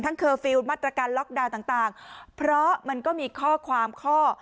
เคอร์ฟิลล์มาตรการล็อกดาวน์ต่างต่างเพราะมันก็มีข้อความข้อ